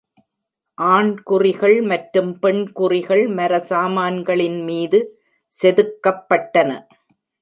ஆண்குறிகள் மற்றும் பெண்குறிகள் மர சாமான்களின் மீது செதுக்கப்பட்டன.